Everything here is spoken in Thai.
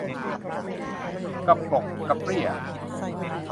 กะปลกกะเปลี้ย